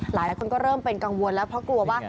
หลายคนก็เริ่มเป็นกังวลแล้วเพราะกลัวว่า